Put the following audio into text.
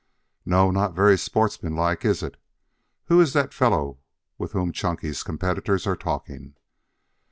"No, not very sportsmanlike, is it? Who is that fellow with whom Chunky's competitors are talking?"